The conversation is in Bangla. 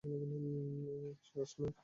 Cheers, man.